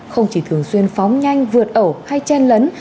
không chỉ thường xuyên phóng nhanh vượt ẩu hay chen lấn